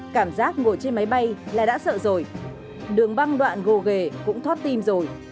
cảm giác ngồi trên máy bay là đã sợ rồi đường băng đoạn gồ ghề cũng thoát tim rồi